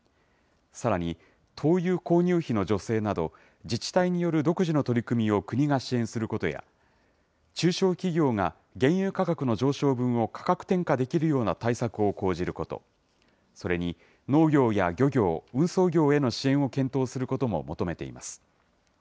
さらに、灯油購入費の助成など、自治体による独自の取り組みを国が支援することや、中小企業が原油価格の上昇分を価格転嫁できるような対策を講じること、それに農業や漁業、運送業への支援を検討することも求めています。